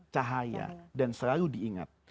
cahaya dan selalu diingat